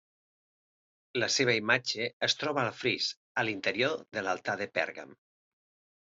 La seva imatge es troba al fris a l'interior de l'Altar de Pèrgam.